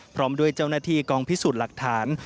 พร้อมด้วยเจ้าหน้าที่กองพิสูจน์หลักฐาน